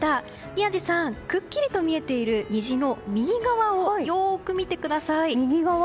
宮司さん、くっきりと見えている虹の右側をよく見てください。